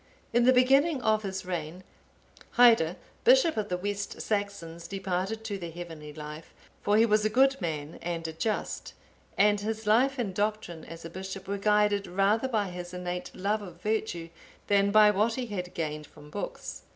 In the beginning of his reign, Haedde, bishop of the West Saxons,(869) departed to the heavenly life; for he was a good man and a just, and his life and doctrine as a bishop were guided rather by his innate love of virtue, than by what he had gained from books.